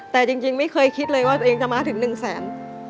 แต่จริงไม่เคยคิดเลยว่าตัวเองจะมาถึง๑แสน